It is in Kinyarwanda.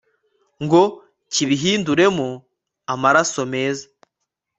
ngo kibihinduremo amaraso meza